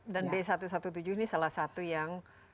dan b satu ratus tujuh belas ini salah satu yang dikhawatirkan